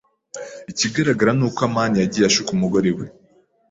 Ikigaragara ni uko amani yagiye ashuka umugore we.